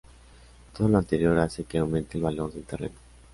Todo lo anterior hace que aumente el valor del terreno.